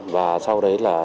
và sau đấy là